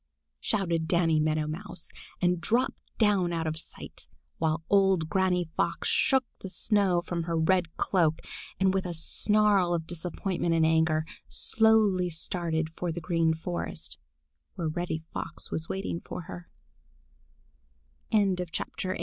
shouted Danny Meadow Mouse and dropped down out of sight, while old Granny Fox shook the snow from her red cloak and, with a snarl of disappointment and anger, slowly started for the Green Forest, where Reddy Fox was waiting for her.